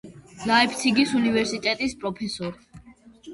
ლაიფციგის უნივერსიტეტის პროფესორი.